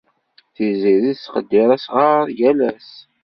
Tiziri tettqeddir asɣar yal ass.